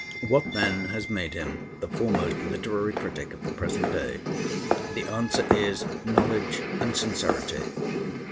What, then, has made him the foremost literary critic of the present day? The answer is, knowledge and sincerity.